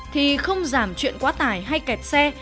thì không giảm chuyện quá tải hay kẹt xe